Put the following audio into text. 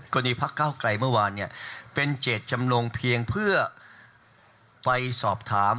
กรณีภักดิ์ก้าวไกลเมื่อวานเนี่ยเป็นเจตจำนวงเพียงเพื่อไปสอบถาม